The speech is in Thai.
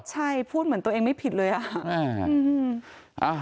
ใช่พูดเหมือนตัวเองไม่ผิดเลยอะค่ะ